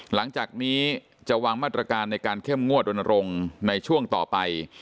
หลังจากนี้จะวางมาตรการในการเข้มงวดรณรงค์ในช่วงต่อไป